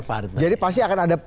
partai jadi pasti akan ada